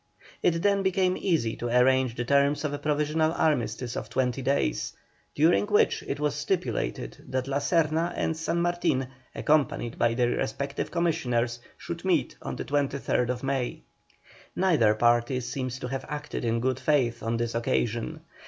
It then became easy to arrange the terms of a provisional armistice of twenty days, during which it was stipulated that La Serna and San Martin, accompanied by their respective commissioners, should meet on the 23rd May. Neither party seems to have acted in good faith on this occasion.